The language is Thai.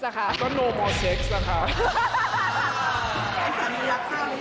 สามีรักข้าวไหมยังคะ